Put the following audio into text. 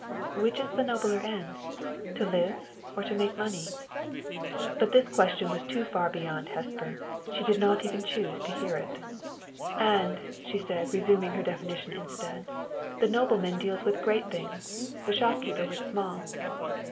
"Which is the nobler end to live, or to make money?" But this question was too far beyond Hesper. She did not even choose to hear it. "And," she said, resuming her definition instead, "the nobleman deals with great things, the shopkeeper with small."